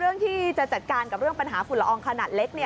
เรื่องที่จะจัดการกับเรื่องปัญหาฝุ่นละอองขนาดเล็ก